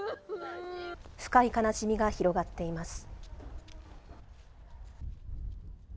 深い悲しみが広がっています。